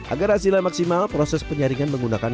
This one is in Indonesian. agar hasilnya maksimal proses penyaringan menggunakan